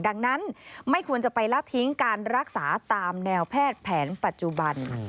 ดังนั้นไม่ควรจะไปละทิ้งการรักษาตามแนวแพทย์แผนปัจจุบัน